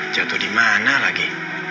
jatuh dimana lagi